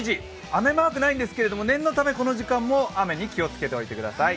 雨マークはないんですけど念のためこの時間も雨に気をつけておいてください。